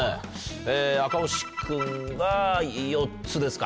え赤星君が４つですか。